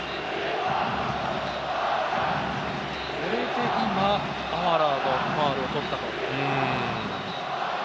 今のでアマラーのファウルをとったと。